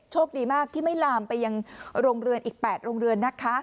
โชคดีมากที่ไม่ลามไปยังอีก๘โรงเรือน